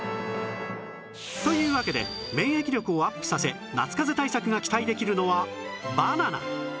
というわけで免疫力をアップさせ夏かぜ対策が期待できるのはバナナ！